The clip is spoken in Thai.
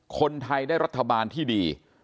คนไทยได้รัฐบาลที่ดี